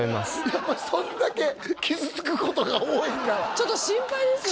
やっぱりそんだけ傷つくことが多いんだわちょっと心配ですよ